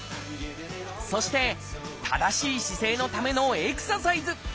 そして正しい姿勢のためのエクササイズ。